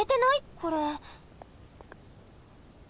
これ。